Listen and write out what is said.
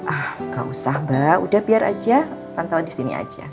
ah gak usah mbak udah biar aja pantau di sini aja